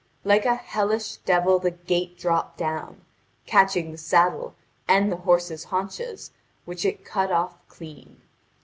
Like a hellish devil the gate dropped down, catching the saddle and the horse's haunches, which it cut off clean.